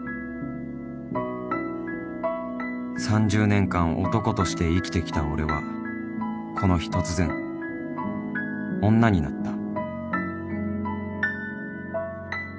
［３０年間男として生きてきた俺はこの日突然女になった］